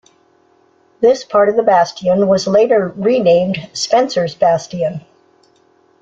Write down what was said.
This part of the bastion was later renamed Spencer's Bastion.